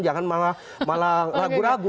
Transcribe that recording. jangan malah ragu ragu